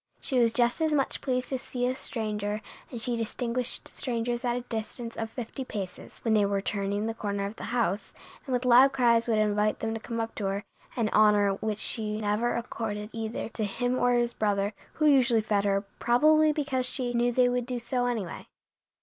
She was just as much pleased to see a stranger, and she distinguished strangers at a distance of fifty paces, when they were turning the corner of the house, and with loud cries would invite them to come up to her, an honor which she never accorded either to him or his brother, who usually fed her, probably because she knew they would do so anyway.